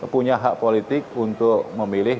punya hak politik untuk memilih